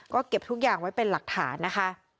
ก็เก็บทุกอย่างไว้เป็นหลักฐานนะคะ